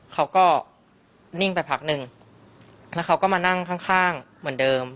เขาก็นิ่งไปพักหนึ่งแล้วเขาก็มานั่งข้างข้างเหมือนเดิม